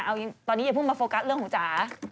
เอาตอนนี้อย่าเพิ่งมาโฟกัสเรื่องของจ๋า